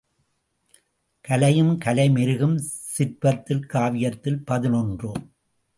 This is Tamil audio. கலையும் கலை மெருகும் சிற்பத்தில் காவியத்தில் பதினொன்று .